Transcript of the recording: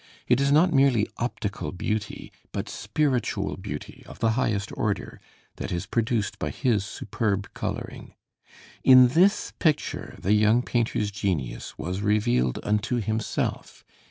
It is not merely optical beauty, but spiritual beauty of the highest order, that is produced by his superb coloring. In this picture the young painter's genius was revealed unto himself.